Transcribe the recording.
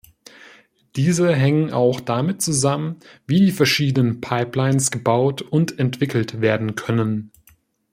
Diese hängen auch damit zusammen, wie die verschiedenen Pipelines gebaut und entwickelt werden können.